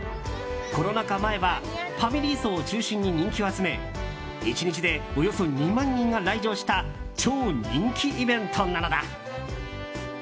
コロナ禍前はファミリー層を中心に人気を集め１日でおよそ２万人が来場した超人気イベントなのだ。